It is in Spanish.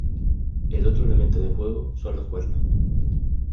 El otro elemento de juego son los cuernos.